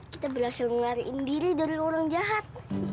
kita berhasil menariin diri dari orang jahat